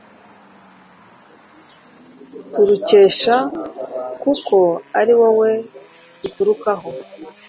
turukesha, kuko ari wowe biturukaho